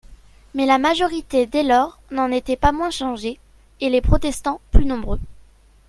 Mais la majorité dès lors n'en était pas moins changée, et les protestants plus nombreux.